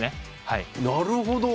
なるほど。